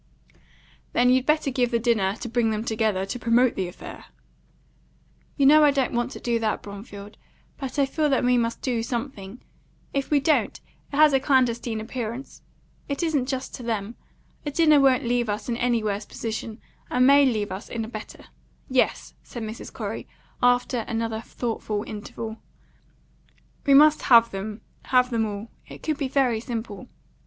"Then you'd better give the dinner to bring them together, to promote the affair." "You know I don't want to do that, Bromfield. But I feel that we must do something. If we don't, it has a clandestine appearance. It isn't just to them. A dinner won't leave us in any worse position, and may leave us in a better. Yes," said Mrs. Corey, after another thoughtful interval, "we must have them have them all. It could be very simple."